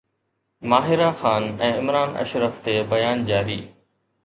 ماهره خان ۽ عمران اشرف تي بيان جاري